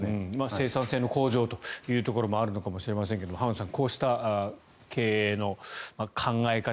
生産性の向上というところもあるのかもしれませんが浜田さん、こうした経営の考え方